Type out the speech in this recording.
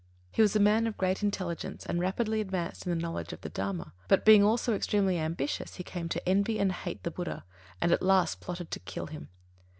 He was a man of great intelligence and rapidly advanced in the knowledge of the Dharma, but being also extremely ambitious, he came to envy and hate the Buddha, and at last plotted to kill him.